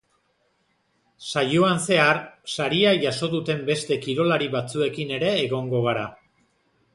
Saioan zehar, saria jaso duten beste kirolari batzuekin ere egongo gara.